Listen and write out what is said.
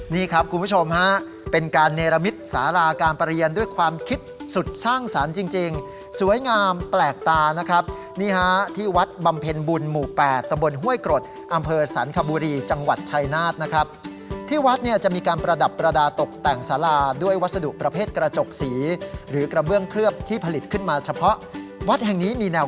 นี่ครับคุณผู้ชมฮะเป็นการเนรมิตสาราการประเรียนด้วยความคิดสุดสร้างสรรค์จริงสวยงามแปลกตานะครับนี่ฮะที่วัดบำเพ็ญบุญหมู่๘ตะบนห้วยกรดอำเภอสรรคบุรีจังหวัดชายนาฏนะครับที่วัดเนี่ยจะมีการประดับประดาษตกแต่งสาราด้วยวัสดุประเภทกระจกสีหรือกระเบื้องเคลือบที่ผลิตขึ้นมาเฉพาะวัดแห่งนี้มีแนว